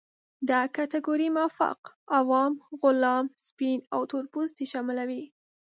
دا کټګورۍ مافوق، عوام، غلام، سپین او تور پوستې شاملوي.